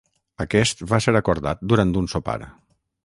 Aquest va ser acordat durant un sopar.